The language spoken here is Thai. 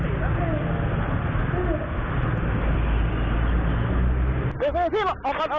พี่พี่ออกก่อนออกก่อน